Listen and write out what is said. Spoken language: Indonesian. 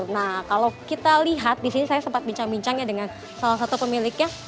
nah kalau kita lihat di sini saya sempat bincang bincang ya dengan salah satu pemiliknya